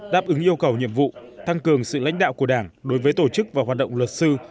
đáp ứng yêu cầu nhiệm vụ tăng cường sự lãnh đạo của đảng đối với tổ chức và hoạt động luật sư